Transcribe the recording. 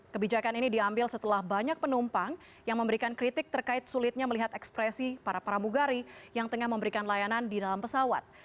kebijakan ini diambil setelah banyak penumpang yang memberikan kritik terkait sulitnya melihat ekspresi para pramugari yang tengah memberikan layanan di dalam pesawat